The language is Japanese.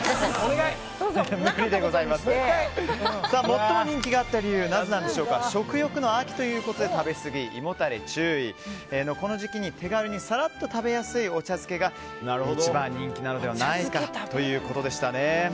最も人気があった理由食欲の秋ということで食べ過ぎ、胃もたれ注意のこの時期に手軽にさらっと食べやすいお茶漬けが一番人気なのではないかということでしたね。